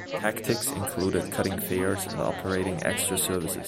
Tactics included cutting fares and operating extra services.